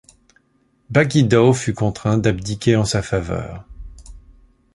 Bagyidaw fut contraint d'abdiquer en sa faveur.